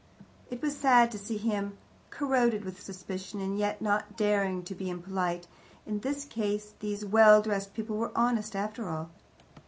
It was sad to see him corroded with suspicion, and yet not daring to be impolite, in case these well dressed people were honest after all.